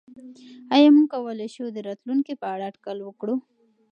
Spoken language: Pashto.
آیا موږ کولای شو د راتلونکي په اړه اټکل وکړو؟